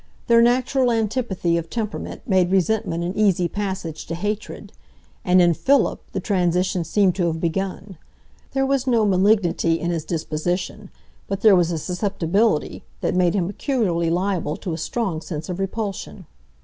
Their natural antipathy of temperament made resentment an easy passage to hatred, and in Philip the transition seemed to have begun; there was no malignity in his disposition, but there was a susceptibility that made him peculiarly liable to a strong sense of repulsion.